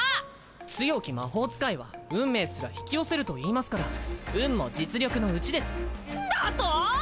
強き魔法使いは運命すら引き寄せるといいますから運も実力のうちですんだとぉー！？